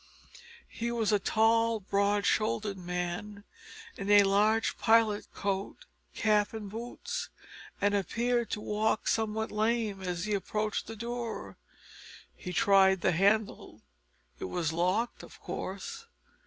He was a tall broad shouldered man in a large pilot coat, cap and boots, and appeared to walk somewhat lame as he approached the door. He tried the handle. It was locked, of course.